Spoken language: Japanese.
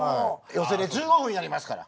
寄席で１５分やりますから。